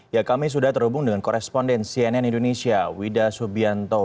ya kami sudah terhubung dengan koresponden cnn indonesia wida subianto